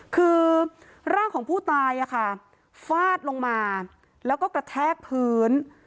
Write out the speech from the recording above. คือร่างของผู้ตายฟาดลงมาแล้วก็กระแทกพื้น